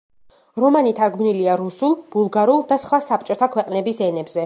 რომანი თარგმნილია რუსულ, ბულგარულ და სხვა საბჭოთა ქვეყნების ენებზე.